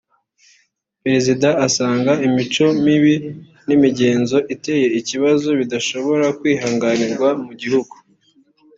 Perezida asanga imico mibi n’imigenzo iteye ikibazo bidashobora kwihanganirwa mu gihugu